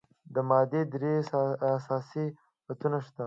د مادې درې اساسي حالتونه شته.